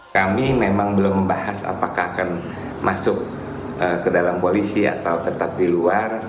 kami memang belum membahas apakah akan masuk ke dalam polisi atau tetap di luar